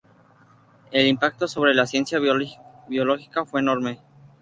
El impacto sobre la ciencia biológica fue enorme.